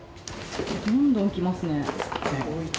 どんどん来ますね。